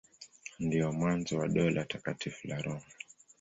Ndio mwanzo wa Dola Takatifu la Roma.